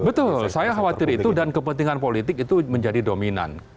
betul saya khawatir itu dan kepentingan politik itu menjadi dominan